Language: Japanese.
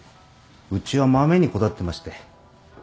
うちは豆にこだわってまして。